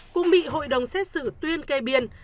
cũng bị hội đồng xét xử tuyên kê biên